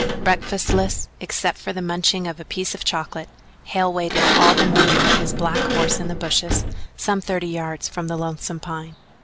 Breakfastless, except for the munching of a piece of chocolate, Hale waited all the morning with his black horse in the bushes some thirty yards from the Lonesome Pine.